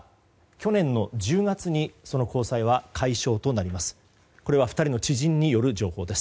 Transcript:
去年の１０月にその交際は解消となります。